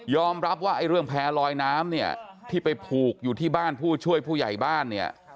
รับว่าไอ้เรื่องแพร่ลอยน้ำเนี่ยที่ไปผูกอยู่ที่บ้านผู้ช่วยผู้ใหญ่บ้านเนี่ย